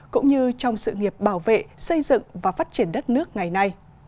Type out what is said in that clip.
cũng như trong sự nghiệp bảo vệ xây dựng và phát triển đất nước ngày nay